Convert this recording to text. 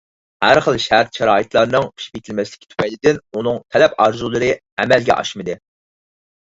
ھەر خىل شەرت-شارائىتلارنىڭ پىشىپ يېتىلمەسلىكى تۈپەيلىدىن ئۇنىڭ تەلەپ-ئارزۇلىرى ئەمەلگە ئاشمىدى.